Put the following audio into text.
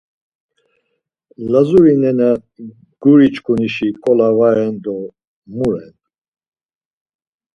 Lazuri nena guriçkunişi k̆ola va ren do mu ren!